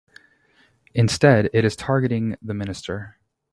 Instead, it is targeting the minister.